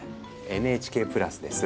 ＮＨＫプラスです。